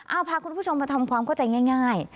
เอาพาคุณผู้ชมมาทำความเข้าใจง่าย